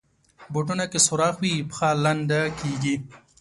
بوټونه که سوراخ وي، پښه لنده کېږي.